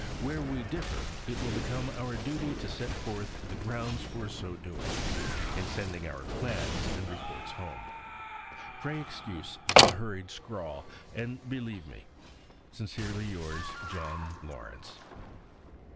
Where we differ, it will become our duty to set forth the grounds for so doing, in sending our plans and reports home. Pray excuse this hurried scrawl, and believe me, Sincerely yours, JOHN LAWRENCE.